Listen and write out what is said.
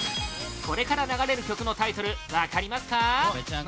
これから流れる曲のタイトル分かりますか？